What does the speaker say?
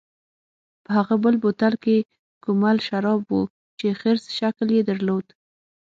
په هغه بل بوتل کې کومل شراب و چې خرس شکل یې درلود.